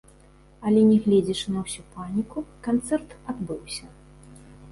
Але, нягледзячы на ўсю паніку, канцэрт адбыўся.